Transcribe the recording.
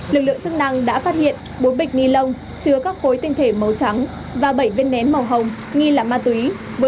lực lượng chức năng đã phát hiện bốn bịch ni lông chứa các khối tinh thể màu trắng và bảy viên nén màu hồng nghi là ma túy